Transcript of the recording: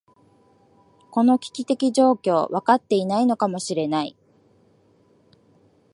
この危機的状況、分かっていないのかもしれない。